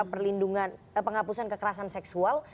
perlindungan penghapusan kekerasan seksual